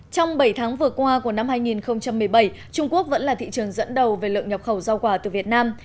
trong bảy tháng vừa qua của năm hai nghìn một mươi bảy trung quốc vẫn là thị trường dẫn đầu về lượng nhập khẩu rau quả từ việt nam